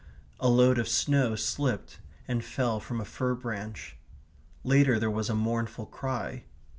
A load of snow slipped and fell from a fir branch .... Later there was a mournful cry